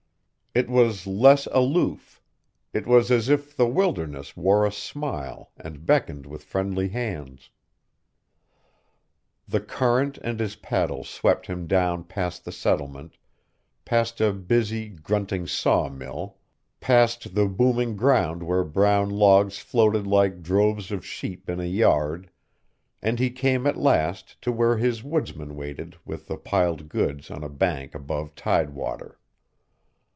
It was less aloof; it was as if the wilderness wore a smile and beckoned with friendly hands. The current and his paddle swept him down past the settlement, past a busy, grunting sawmill, past the booming ground where brown logs floated like droves of sheep in a yard, and he came at last to where his woodsmen waited with the piled goods on a bank above tidewater.